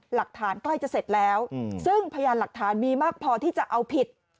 หลักฐานใกล้จะเสร็จแล้วซึ่งพยานหลักฐานมีมากพอที่จะเอาผิด